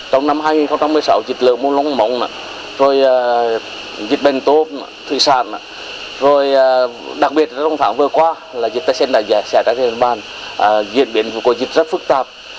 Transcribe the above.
trong tháng vừa qua diễn biến của dịch rất phức tạp